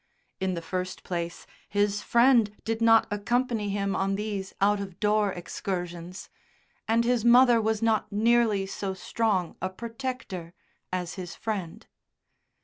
In the first place his Friend did not accompany him on these out of door excursions, and his mother was not nearly so strong a protector as his Friend.